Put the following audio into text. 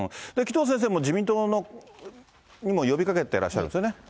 紀藤先生も自民党にも呼びかけてるんですよね。